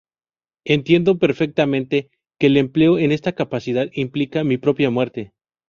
Entiendo perfectamente que el empleo en esta capacidad implica mi propia muerte"".